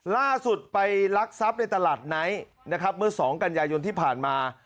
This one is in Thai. ล่าสุดไปลักทรัพย์ในตลาดไนท์นะครับเมื่อ๒กันยายนที่ผ่านมา